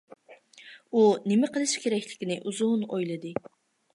ئۇ نېمە قىلىش كېرەكلىكىنى ئۇزۇن ئويلىدى.